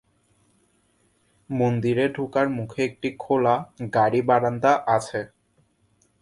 মন্দিরে ঢোকার মুখে একটি খোলা গাড়ী-বারান্দা আছে।